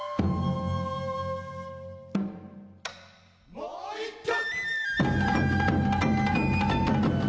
もう１曲！